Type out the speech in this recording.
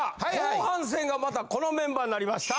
後半戦がまたこのメンバーになりました。